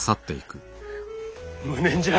無念じゃ！